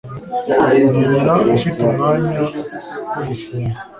na nyina ufite umwanya wo gufunga